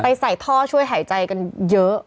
ใส่ท่อช่วยหายใจกันเยอะ